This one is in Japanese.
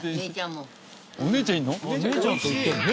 お姉ちゃんいるの？